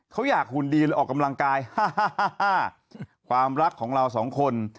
เขาอยากหุ่นดีเลยออกกำลังกายความรักของเราสองคน